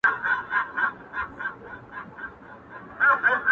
چي هر چا ورته کتل ورته حیران وه!!